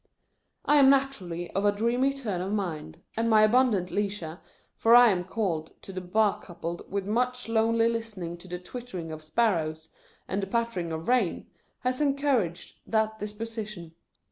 I am naturally of a dreamy turn of mind ; and my abundant leisure — for I am called to the bar — coupled with much lonely listening to the twittering of sparrows, and the pat tering of rain, has encouraged that disposition.